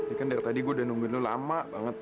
ini kan dari tadi gue udah nungguin lo lama banget